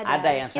ada yang satu